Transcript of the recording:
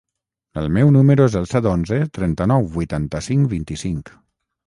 El meu número es el set, onze, trenta-nou, vuitanta-cinc, vint-i-cinc.